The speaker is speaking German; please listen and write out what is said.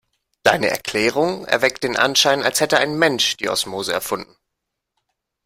Deine Erklärung erweckt den Anschein, als hätte ein Mensch die Osmose erfunden.